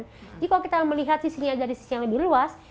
jadi kalau kita melihat dari sisi yang lebih luas